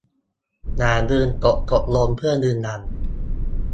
อย่าลืมกดโอเคเพื่อยืนยัน